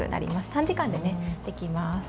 短時間でできます。